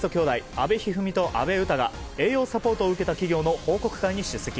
阿部一二三と阿部詩が栄養サポートを受けた企業の報告会に出席。